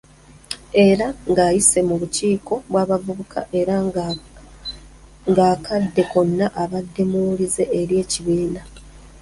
Era ng'ayise mu bukiiko bw’abavubuka era ng'akadde konna abadde muwulize eri ekibiina.